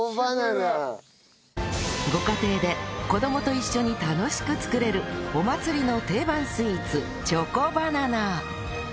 ご家庭で子供と一緒に楽しく作れるお祭りの定番スイーツチョコバナナ